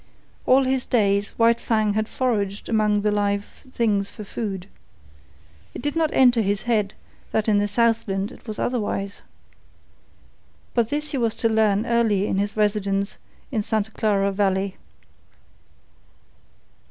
All his days White Fang had foraged among the live things for food. It did not enter his head that in the Southland it was otherwise. But this he was to learn early in his residence in Santa Clara Valley.